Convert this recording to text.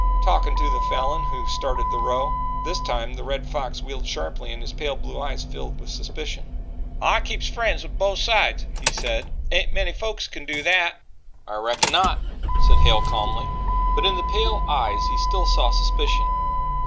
"Talking to the Falin who started the row." This time the Red Fox wheeled sharply and his pale blue eyes filled with suspicion. "I keeps friends with both sides," he said. "Ain't many folks can do that." "I reckon not," said Hale calmly, but in the pale eyes he still saw suspicion.